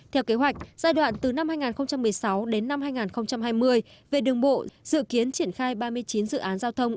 theo kế hoạch giai đoạn từ năm hai nghìn một mươi sáu đến năm hai nghìn hai mươi về đường bộ dự kiến triển khai ba mươi chín dự án giao thông